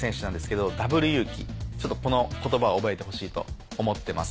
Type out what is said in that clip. ちょっとこの言葉を覚えてほしいと思ってます。